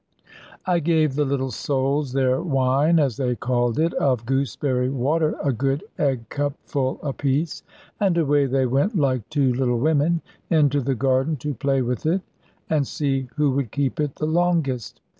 I gave the little souls their wine as they called it of gooseberry water, a good egg cup full apiece; and away they went, like two little women, into the garden to play with it, and see who would keep it the longest.